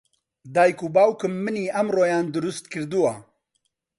دایک و باوکم منی ئەمڕۆیان دروست کردووە.